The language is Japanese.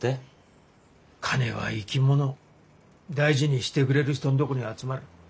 金は生き物大事にしてくれる人の所に集まる。